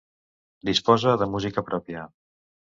Disposa de música pròpia.